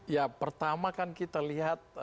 ya pertama kan kita lihat